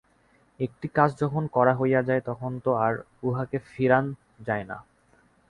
একটি কাজ যখন করা হইয়া যায়, তখন তো আর উহাকে ফিরান যায় না।